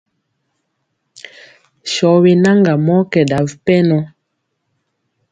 Sɔ yenaŋga mɔ kɛ ɗa wi pɛnɔ.